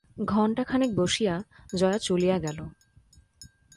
ঘণ্টাখানেক বসিয়া জয়া চলিয়া গেল।